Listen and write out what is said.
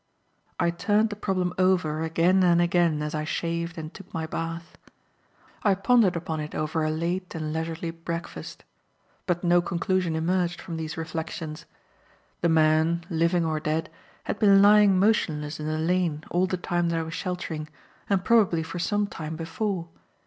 I turned the problem over again and again as I shaved and took my bath. I pondered upon it over a late and leisurely breakfast. But no conclusion emerged from these reflections. The man, living or dead, had been lying motionless in the lane all the time that I was sheltering, and probably for some time before.